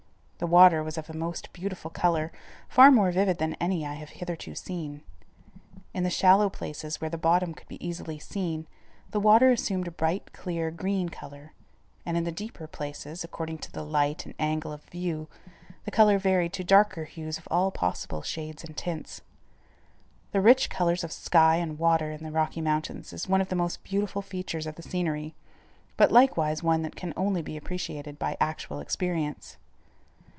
The water was of a most beautiful color, far more vivid than any I have hitherto seen. In the shallow places where the bottom could be easily seen, the water assumed a bright, clear, green color, and in the deeper places, according to the light and angle of view, the color varied to darker hues of all possible shades and tints. The rich colors of sky and water in the Rocky Mountains is one of the most beautiful features of the scenery, but likewise one that can only be appreciated by actual experience.